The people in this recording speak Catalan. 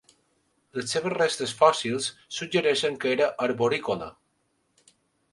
Les seves restes fòssils suggereixen que era arborícola.